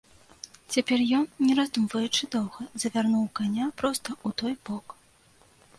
Цяпер ён, не раздумваючы доўга, завярнуў каня проста ў той бок.